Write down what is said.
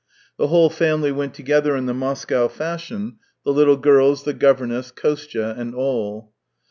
The whole family went together in the Moscow fashion, the little girls, the governess, Kostya, and all.